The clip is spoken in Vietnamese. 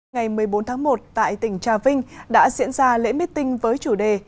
ngày một mươi bốn tháng một tại tỉnh trà vinh đã diễn ra lễ miết tinh với chủ đề